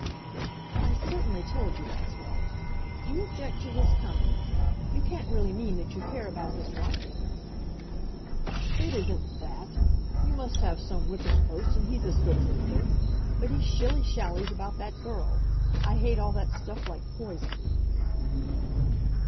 "I certainly told you, Oswald. Do you object to his coming? You can't really mean that you care about his riding?" "It isn't that. You must have some whipping post, and he's as good as another. But he shilly shallies about that girl. I hate all that stuff like poison."